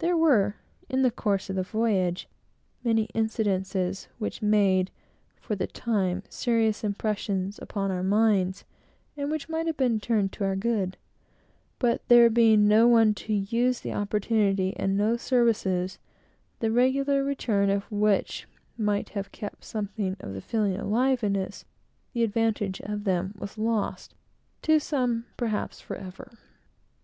There were, in the course of the voyage, many incidents which made, for the time, serious impressions upon our minds, and which might have been turned to our good; but there being no one to use the opportunity, and no services, the regular return of which might have kept something of the feeling alive in us, the advantage of them was lost, to some, perhaps, forever.